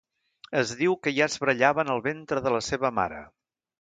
Es diu que ja es barallaven al ventre de la seva mare.